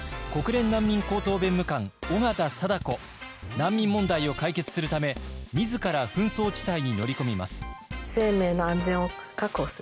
難民問題を解決するためみずから紛争地帯に乗り込みます。